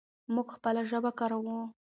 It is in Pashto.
موږ خپله ژبه کاروو.